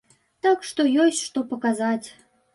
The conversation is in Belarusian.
Так што ёсць што паказаць.